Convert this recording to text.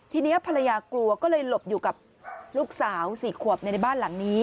ทีนี้ภรรยากลัวก็เลยหลบอยู่กับลูกสาว๔ขวบในบ้านหลังนี้